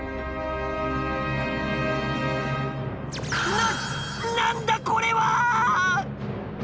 なっ何だこれは！